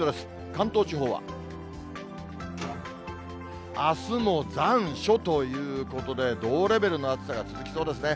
関東地方は、あすも残暑ということで、同レベルの暑さが続きそうですね。